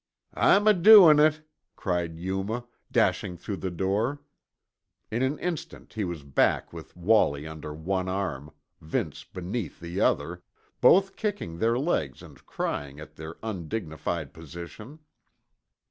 "I'm adoin' it!" cried Yuma, dashing through the door. In an instant he was back with Wallie under one arm, Vince beneath the other, both kicking their legs and crying at their undignified position.